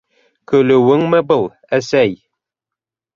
Көлөүеңме был, әсәй?